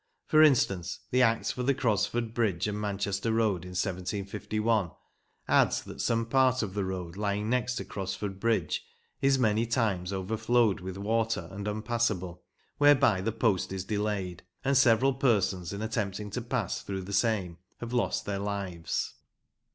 For instance, the Act for the Crosford Bridge and Manchester road in 1751 adds that some part of the road lying next to Crosford Bridge is many times overflowed with water and unpassable, whereby the post is delayed, and several persons in attempting to pass through the same have lost their lives.